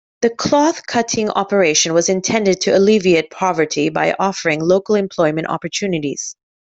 The cloth-cutting operation was intended to alleviate poverty by offering local employment opportunities.